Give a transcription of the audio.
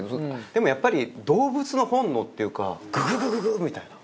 でもやっぱり動物の本能っていうかグググググッ！みたいな。